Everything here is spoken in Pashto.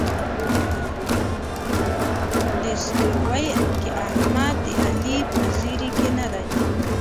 په ستروۍ کې احمد د علي په زېري کې نه دی.